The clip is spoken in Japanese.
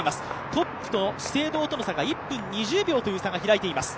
トップの資生堂とは１分２０秒と差が開いています。